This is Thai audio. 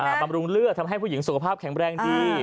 บำรุงเลือดทำให้ผู้หญิงสุขภาพแข็งแรงดี